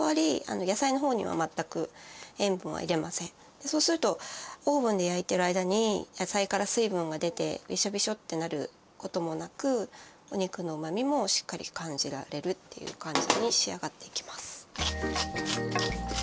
今回はそうするとオーブンで焼いてる間に野菜から水分が出てびしょびしょってなることもなくお肉のうまみもしっかり感じられるっていう感じに仕上がっていきます。